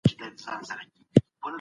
په لاس ورنه سي تارونه